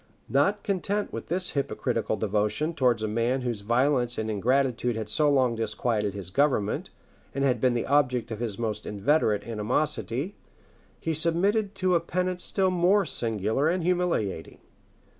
Not content with this hypocritical devotion towards a man whose violence and ingratitude had so long disquieted his government, and had been the object of his most inveterate animosity, he submitted to a penance still more singular and humiliating.